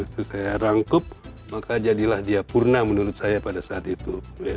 setelah rangkup maka jadilah dia purna menurut saya pada saat itu